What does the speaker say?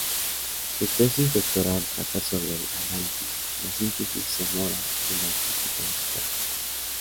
Su tesis doctoral trata sobre el análisis, la síntesis sonora y la acústica musical.